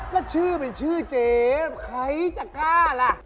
ก็ชื่อมันชื่อเจ๊ใครจะกล้าล่ะ